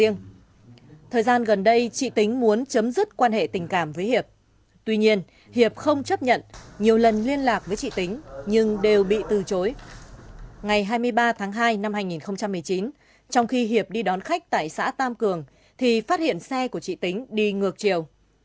ngày hai mươi ba tháng hai năm hai nghìn một mươi chín trong khi hiệp đi đón khách tại xã tam cường thì phát hiện xe của chị tính đi ngược chiều